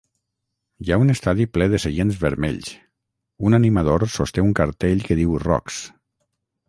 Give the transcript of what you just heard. Hi ha un estadi ple de seients vermells, un animador sosté un cartell que diu ROCKS.